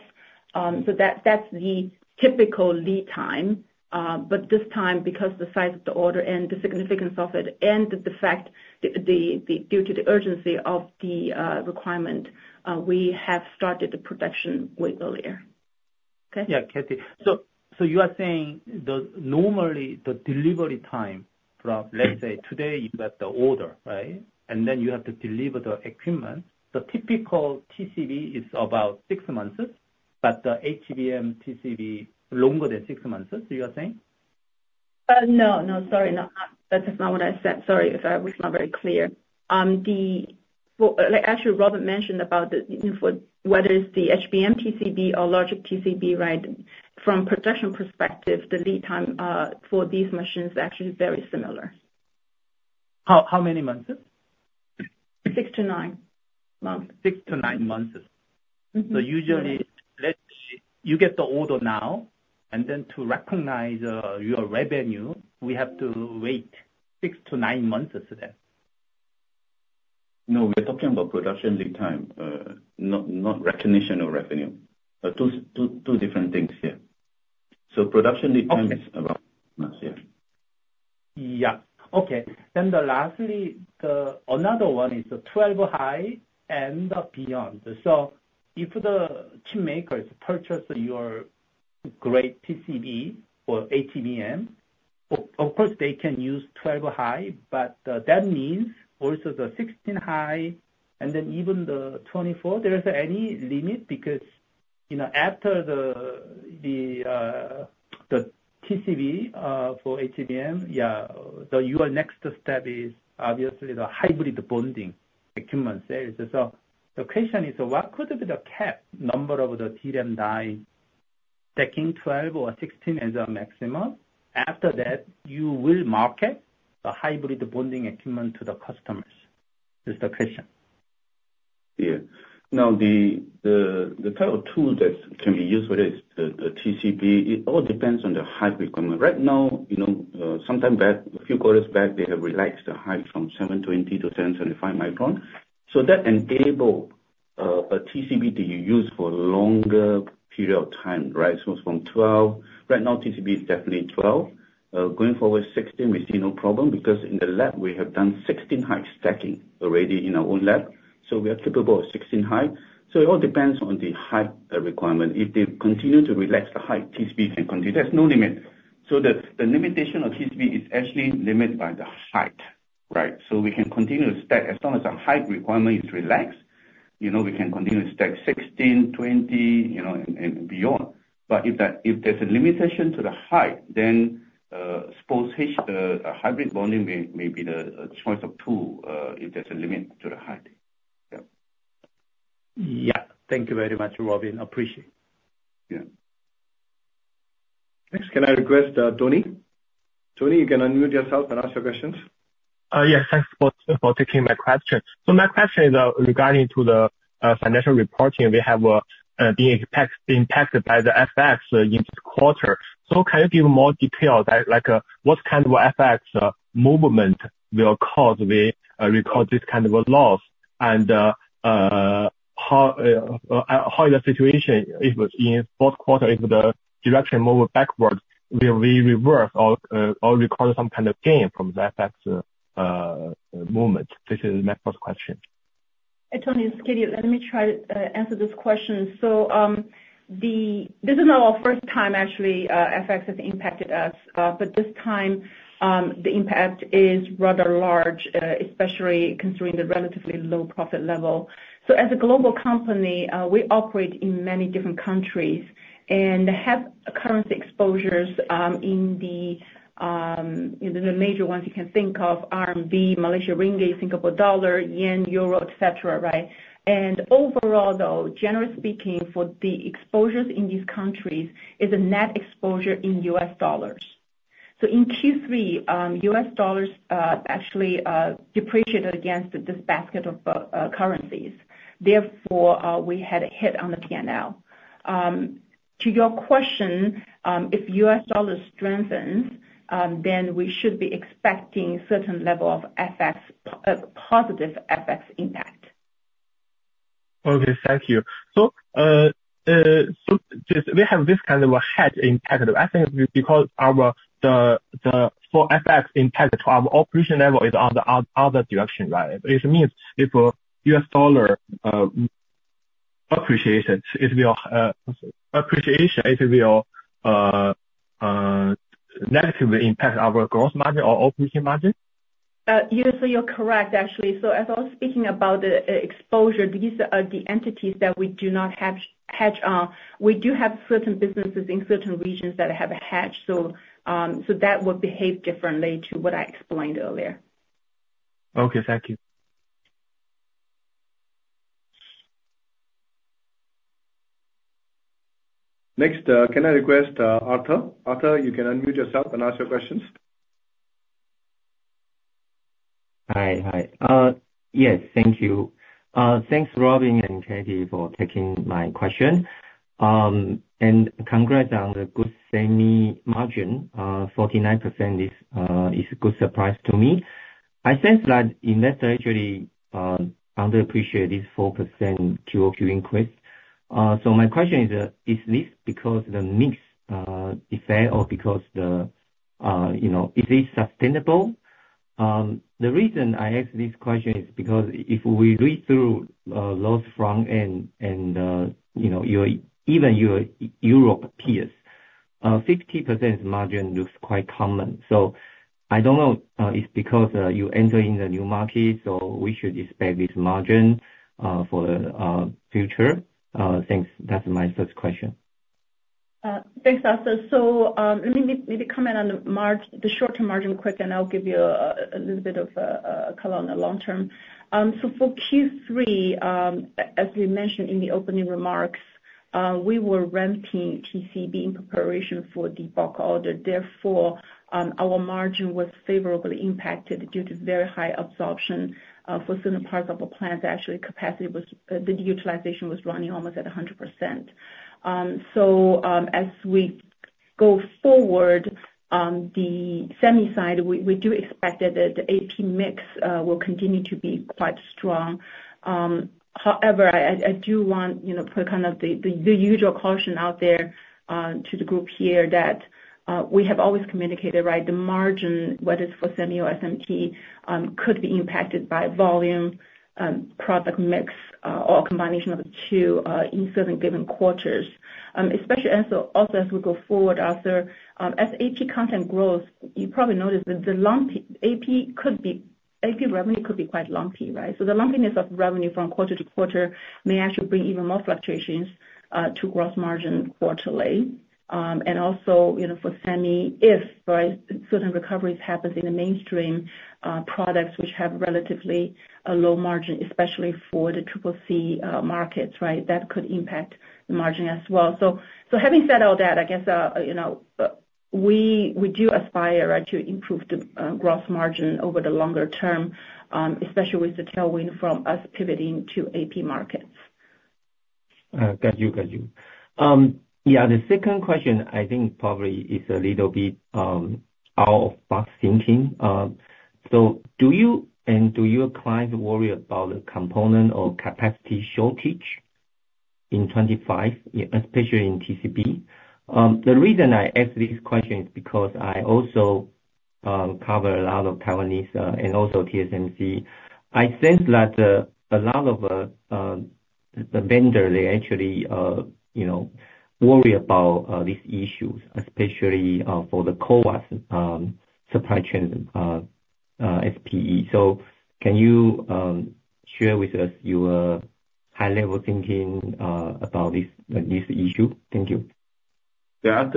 So that's the typical lead time. But this time, because of the size of the order and the significance of it and the fact, due to the urgency of the requirement, we have started the production way earlier. Okay? Yeah, Katie. So you are saying that normally the delivery time from, let's say, today you got the order, right? And then you have to deliver the equipment. The typical TCB is about six months, but the HBM TCB, longer than six months, you are saying? No. No. Sorry. That's not what I said. Sorry if I was not very clear. Actually, Robin mentioned about whether it's the HBM TCB or larger TCB, right? From production perspective, the lead time for these machines is actually very similar. How many months? Six to nine months. Six to nine months. So usually, let's say you get the order now, and then to recognize your revenue, we have to wait six to nine months then. No, we're talking about production lead time, not recognition of revenue. Two different things here. So production lead time is about six months, yeah. Yeah. Okay. Then lastly, another one is 12-high and beyond. So if the chipmakers purchase your great TCB or HBM, of course, they can use 12-high, but that means also the 16-high and then even the 24. Is there any limit because after the TCB for HBM, yeah, your next step is obviously the hybrid bonding equipment sales. So the question is, what could be the cap number of the HBM3 stacking 12 or 16 as a maximum? After that, you will market the hybrid bonding equipment to the customers. That's the question. Yeah. Now, the type of tool that can be used for this, the TCB, it all depends on the hybrid equipment. Right now, sometime back, a few quarters back, they have relaxed the height from 720 to 725 micron. So that enables a TCB to be used for a longer period of time, right? So from 12, right now, TCB is definitely 12. Going forward, 16, we see no problem because in the lab, we have done 16 high stacking already in our own lab. So we are capable of 16 high. So it all depends on the height requirement. If they continue to relax the height, TCB can continue. There's no limit. So the limitation of TCB is actually limited by the height, right? So we can continue to stack as long as the height requirement is relaxed. We can continue to stack 16, 20, and beyond. But if there's a limitation to the height, then Hybrid Bonding may be the choice too if there's a limit to the height. Yeah. Yeah. Thank you very much, Robin. Appreciate it. Yeah. Thanks. Can I request Tony? Tony, you can unmute yourself and ask your questions. Yes. Thanks for taking my question. So my question is regarding to the financial reporting. We have been impacted by the FX in this quarter. So can you give more details? What kind of FX movement will cause we record this kind of loss? And how is the situation in fourth quarter if the direction moves backwards? Will we reverse or record some kind of gain from the FX movement? This is my first question. Tony, Katie, let me try to answer this question. So this is not our first time, actually, FX has impacted us. But this time, the impact is rather large, especially considering the relatively low profit level. So as a global company, we operate in many different countries and have currency exposures in the major ones you can think of: RMB, Malaysian Ringgit, Singapore Dollar, Yen, Euro, etc., right? And overall, though, generally speaking, for the exposures in these countries is a net exposure in U.S. dollars. So in Q3, U.S. dollars actually depreciated against this basket of currencies. Therefore, we had a hit on the P&L. To your question, if U.S. dollars strengthens, then we should be expecting a certain level of positive FX impact. Okay. Thank you. So we have this kind of a hedge impact. I think because for FX impact to our operation level is on the other direction, right? It means if U.S. dollar appreciation, it will negatively impact our gross margin or operating margin? Yes. So you're correct, actually. So as I was speaking about the exposure, these are the entities that we do not have hedge on. We do have certain businesses in certain regions that have a hedge. So that will behave differently to what I explained earlier. Okay. Thank you. Next, can I request Arthur? Arthur, you can unmute yourself and ask your questions. Hi. Hi. Yes. Thank you. Thanks, Robin and Katie, for taking my question. Congrats on the good semi margin. 49% is a good surprise to me. I sense that investors actually underappreciate this 4% QOQ increase. So my question is, is this because the mix is fair or is this sustainable? The reason I ask this question is because if we read through ASML's front end and even your European peers, 50% margin looks quite common. So I don't know if because you enter in the new market, so we should expect this margin for the future. Thanks. That's my first question. Thanks, Arthur. So let me maybe comment on the short-term margin quick, and I'll give you a little bit of a color on the long-term. So for Q3, as we mentioned in the opening remarks, we were ramping TCB in preparation for the bulk order. Therefore, our margin was favorably impacted due to very high absorption for certain parts of our plants. Actually, capacity utilization was running almost at 100%. So as we go forward, the semi side, we do expect that the AP mix will continue to be quite strong. However, I do want to put kind of the usual caution out there to the group here that we have always communicated, right? The margin, whether it's for semi or SMT, could be impacted by volume, product mix, or combination of the two in certain given quarters. Especially also as we go forward, Arthur, as AP content grows, you probably noticed that the AP revenue could be quite lumpy, right? So the lumpiness of revenue from quarter to quarter may actually bring even more fluctuations to gross margin quarterly, and also for semi, if certain recoveries happen in the mainstream products, which have relatively low margin, especially for the 3C markets, right? That could impact the margin as well, so having said all that, I guess we do aspire to improve the gross margin over the longer term, especially with the tailwind from us pivoting to AP markets. Got you. Got you. Yeah. The second question, I think probably is a little bit out of box thinking. So do you and do your clients worry about the component or capacity shortage in 2025, especially in TCB? The reason I ask this question is because I also cover a lot of Taiwanese and also TSMC. I sense that a lot of the vendors, they actually worry about these issues, especially for the C2W supply chain SPE. So can you share with us your high-level thinking about this issue? Thank you. Yeah.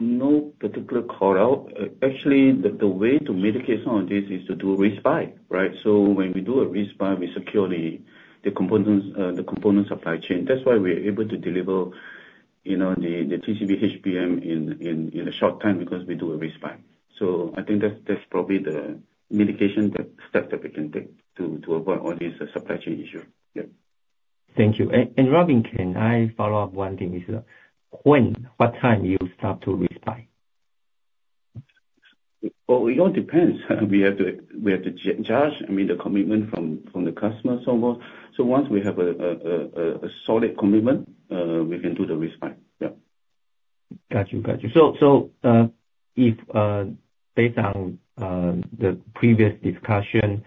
No particular call out. Actually, the way to mitigate some of this is to do risk buy, right? So when we do a risk buy, we secure the component supply chain. That's why we're able to deliver the TCB HBM in a short time because we do a risk buy. So I think that's probably the mitigation step that we can take to avoid all these supply chain issues. Yeah. Thank you, and Robin, can I follow up one thing? What time you start to risk buy? It all depends. We have to judge, I mean, the commitment from the customer. Once we have a solid commitment, we can do the risk buy. Yeah. Got you. Got you. So based on the previous discussion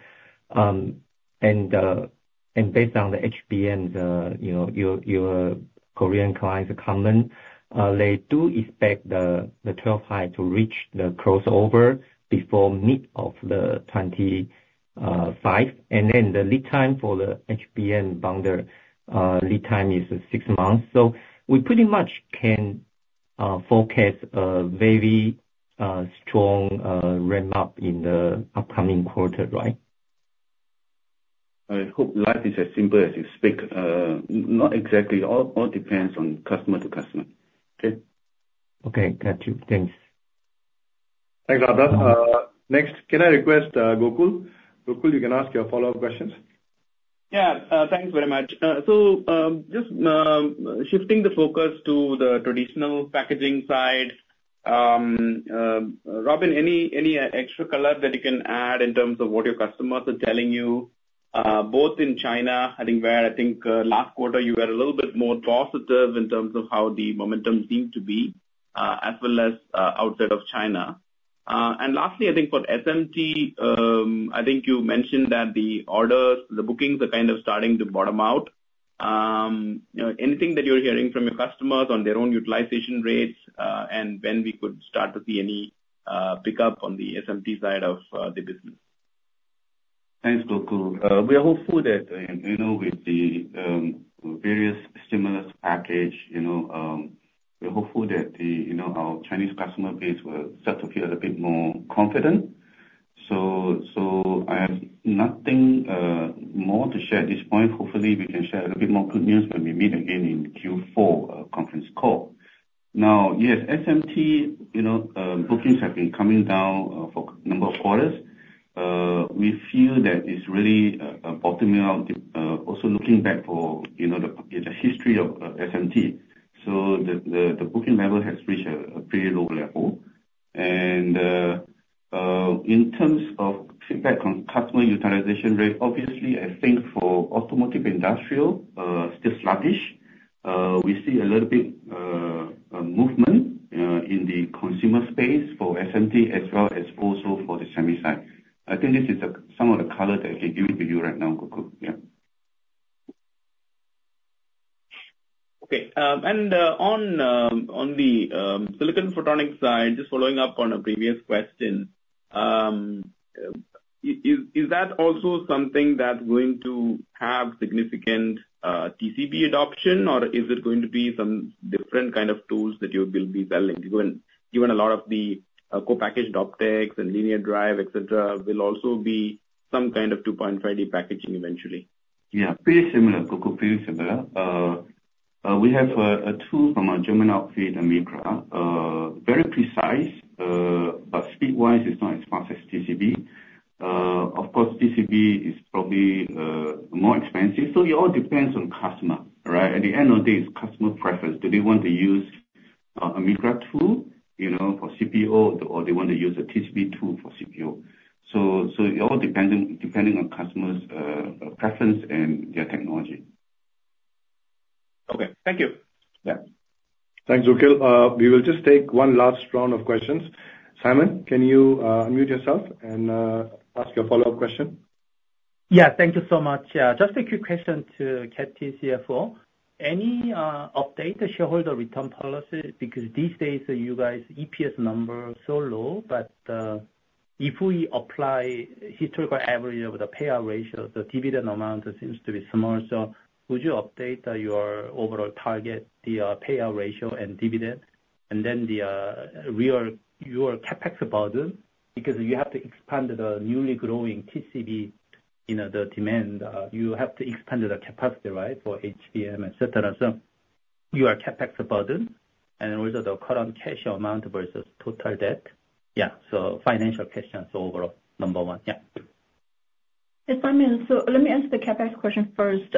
and based on the HBM, your Korean clients' comment, they do expect the 12 high to reach the crossover before mid of 2025. And then the lead time for the HBM bonder lead time is six months. So we pretty much can forecast a very strong ramp up in the upcoming quarter, right? I hope life is as simple as you speak. Not exactly. All depends on customer to customer. Okay? Okay. Got you. Thanks. Thanks, Arthur. Next, can I request Gokul? Gokul, you can ask your follow-up questions. Yeah. Thanks very much. So just shifting the focus to the traditional packaging side. Robin, any extra color that you can add in terms of what your customers are telling you? Both in China, I think last quarter, you were a little bit more positive in terms of how the momentum seemed to be, as well as outside of China. And lastly, I think for SMT, I think you mentioned that the orders, the bookings are kind of starting to bottom out. Anything that you're hearing from your customers on their own utilization rates and when we could start to see any pickup on the SMT side of the business? Thanks, Gokul. We are hopeful that with the various stimulus packages, we're hopeful that our Chinese customer base will start to feel a bit more confident. So I have nothing more to share at this point. Hopefully, we can share a little bit more good news when we meet again in Q4 conference call. Now, yes, SMT bookings have been coming down for a number of quarters. We feel that it's really bottoming out, also looking back for the history of SMT. So the booking level has reached a pretty low level. And in terms of feedback on customer utilization rate, obviously, I think for automotive industrial, still sluggish. We see a little bit of movement in the consumer space for SMT as well as also for the semi side. I think this is some of the color that I can give it to you right now, Gokul. Yeah. Okay. And on the silicon photonics side, just following up on a previous question, is that also something that's going to have significant TCB adoption, or is it going to be some different kind of tools that you will be selling? Given a lot of the co-packaged optics and linear drive, etc., will also be some kind of 2.5D packaging eventually? Yeah. Pretty similar, Gokul. Pretty similar. We have a tool from our German outfit, AMICRA. Very precise, but speed-wise, it's not as fast as TCB. Of course, TCB is probably more expensive. So it all depends on customer, right? At the end of the day, it's customer preference. Do they want to use AMICRA tool for CPO, or do they want to use a TCB tool for CPO? So it all depends on customer's preference and their technology. Okay. Thank you. Yeah. Thanks, Gokul. We will just take one last round of questions. Simon, can you unmute yourself and ask your follow-up question? Yeah. Thank you so much. Just a quick question to Katie here for. Any update to shareholder return policy? Because these days, you guys' EPS number is so low, but if we apply historical average of the payout ratio, the dividend amount seems to be small. So would you update your overall target, the payout ratio and dividend, and then your CapEx burden? Because you have to expand the newly growing TCB, the demand. You have to expand the capacity, right, for HBM, etc. So your CapEx burden and also the current cash amount versus total debt. Yeah. So financial questions overall, number one. Yeah. Simon, let me answer the CapEx question first.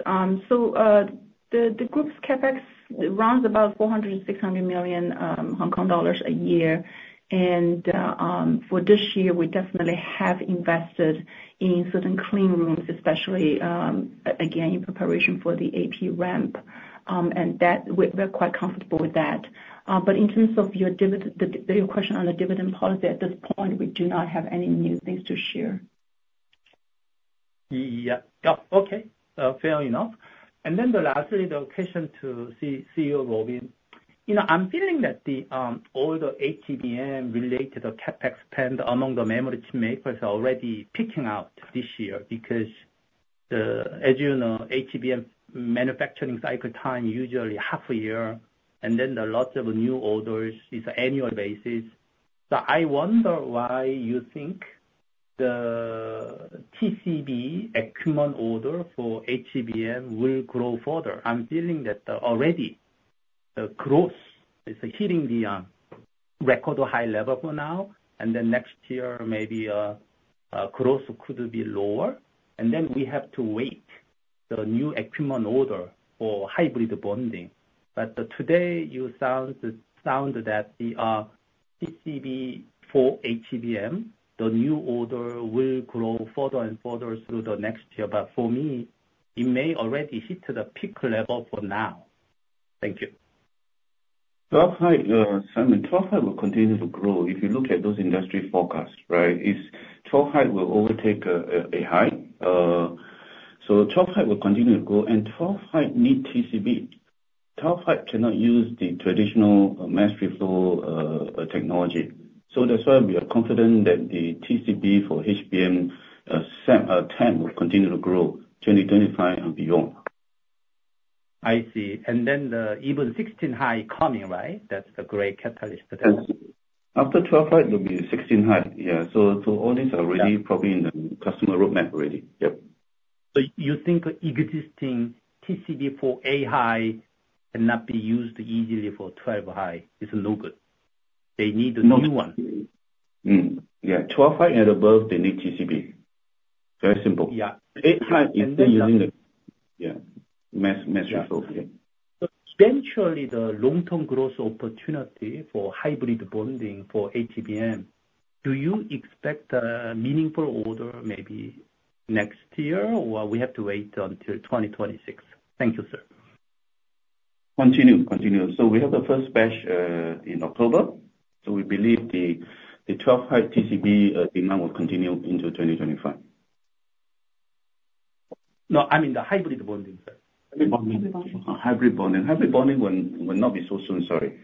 The group's CapEx runs about 400 million-600 million Hong Kong dollars a year. For this year, we definitely have invested in certain clean rooms, especially again in preparation for the AP ramp. We're quite comfortable with that. In terms of your question on the dividend policy, at this point, we do not have any new things to share. Yeah. Okay. Fair enough. And then lastly, the question to CEO Robin. I'm feeling that all the HBM-related CapEx spend among the memory chip makers are already picking up this year because, as you know, HBM manufacturing cycle time usually half a year, and then lots of new orders is annual basis. So I wonder why you think the TCB equipment order for HBM will grow further. I'm feeling that already the growth is hitting the record high level for now. And then next year, maybe growth could be lower. And then we have to wait the new equipment order for hybrid bonding. But today, you said that the TCB for HBM, the new order will grow further and further through the next year. But for me, it may already hit the peak level for now. Thank you. 12 high, Simon, 12 high will continue to grow. If you look at those industry forecasts, right, 12 high will overtake 8 high. So 12 high will continue to grow. And 12 high need TCB. 12 high cannot use the traditional mass reflow technology. So that's why we are confident that the TCB for HBM set time will continue to grow 2025 and beyond. I see. And then even 16 high coming, right? That's a great catalyst for them. After 12-high, it will be 16-high. Yeah. So all these are already probably in the customer roadmap already. Yep. So you think existing TCB for 8-high cannot be used easily for 12-high? It's no good. They need the new one. Yeah. 12 high and above, they need TCB. Very simple. Yeah. 8-high is still using the mass reflow. So eventually, the long-term growth opportunity for hybrid bonding for HBM, do you expect a meaningful order maybe next year, or we have to wait until 2026? Thank you, sir. Continue. So we have the first batch in October. So we believe the 12-high TCB demand will continue into 2025. No, I mean the hybrid bonding, sir. Hybrid bonding will not be so soon. Sorry.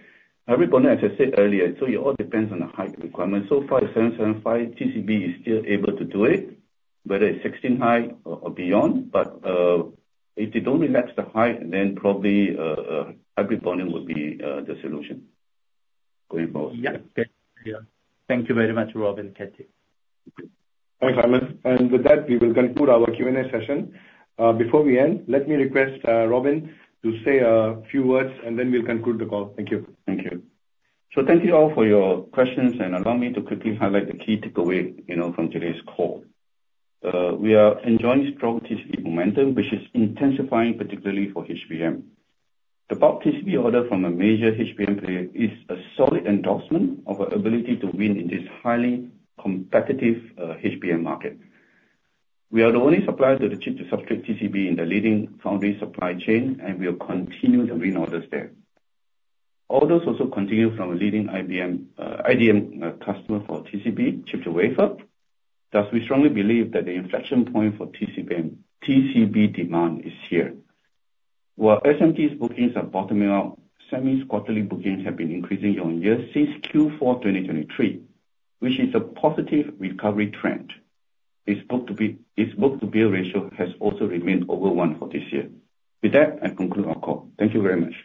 Hybrid bonding, as I said earlier, so it all depends on the height requirement. So far, 775 TCB is still able to do it, whether it's 16-high or beyond. But if they don't relax the height, then probably hybrid bonding would be the solution going forward. Yeah. Thank you very much, Robin, Katie. Thank you, Simon. And with that, we will conclude our Q&A session. Before we end, let me request Robin to say a few words, and then we'll conclude the call. Thank you. Thank you. So thank you all for your questions. And allow me to quickly highlight the key takeaway from today's call. We are enjoying strong TCB momentum, which is intensifying particularly for HBM. The bulk TCB order from a major HBM player is a solid endorsement of our ability to win in this highly competitive HBM market. We are the only supplier to the chip-to-substrate TCB in the leading foundry supply chain, and we will continue to win orders there. Orders also continue from a leading IDM customer for TCB, Chip-to-Wafer. Thus, we strongly believe that the inflection point for TCB demand is here. While SMT's bookings are bottoming out, semi quarterly bookings have been increasing year on year since Q4 2023, which is a positive recovery trend. Its book-to-bill ratio has also remained over one for this year. With that, I conclude our call. Thank you very much.